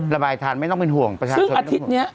ระบายทันไม่ต้องเป็นห่วงประชาชนไม่ต้องเป็นห่วง